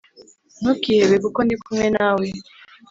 Ntukihebe kuko ndikumwe nawe